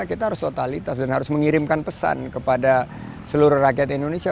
kita harus totalitas dan harus mengirimkan pesan kepada seluruh rakyat indonesia